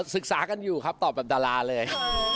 ศึกษากันอยู่ครับตอบแบบดาราเลย